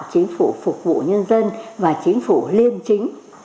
chính phủ phục vụ nhân dân và chính phủ liêm chính